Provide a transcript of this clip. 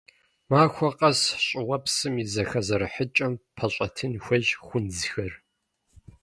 Махуэ къэс щӏыуэпсым и зэхэзэрыхьыкӏэм пэщӏэтын хуейщ хунзхэр.